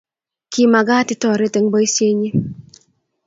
kimagaat itoret eng boisienyi